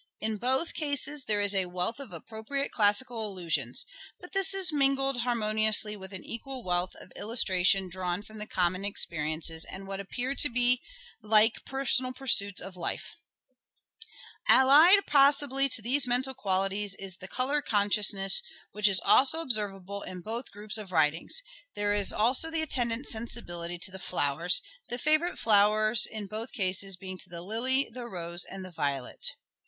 In both cases there is a wealth of appropriate classical allusions ; but this is mingled harmoniously with an equal wealth of illustration 164 " SHAKESPEARE " IDENTIFIED drawn from the common experiences and what appear like the personal pursuits of life. Allied possibly to these mental qualities is the colour consciousness which is observable in both groups of writings. There is also the attendant sensibility to flowers, the favourite flowers in both cases being the lily, the rose, and the violet.